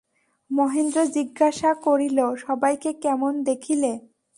মহেন্দ্র জিজ্ঞাসা করিল, সবাইকে কেমন দেখিলে?